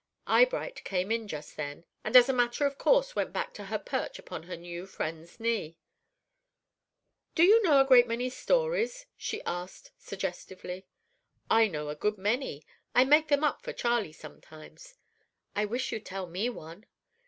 Eyebright came in just then, and as a matter of course went back to her perch upon her new friend's knee. "Do you know a great many stories?" she asked suggestively. "I know a good many. I make them up for Charley sometimes." "I wish you'd tell me one."